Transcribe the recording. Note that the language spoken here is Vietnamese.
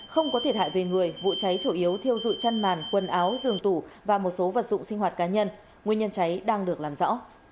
không có thiệt hại về người vụ cháy chủ yếu thiêu rụi chăn màn quần áo giường tủ và một số vật dụng sinh hoạt cá nhân nguyên nhân cháy đang được làm rõ